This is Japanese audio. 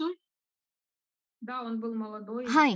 はい。